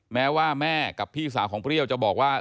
แม้ว่าแม่กับพี่สาวของเปรี้ยวจะบอกว่า